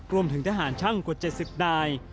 รวมถึงทหารช่างกว่า๗๐นาย